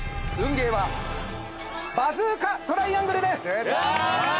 ゲーはバズーカトライアングルです。